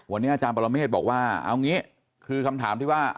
วันนี้อาจารย์ปรเมฆบอกว่าเอางี้คือคำถามที่ว่า